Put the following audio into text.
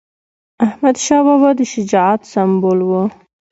احمدشاه بابا د شجاعت سمبول و.